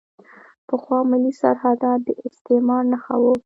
پخوا ملي سرحدات د استعمار نښه وو.